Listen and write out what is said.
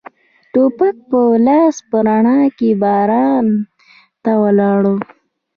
ټوپک په لاس په رڼا کې باران ته ولاړ و.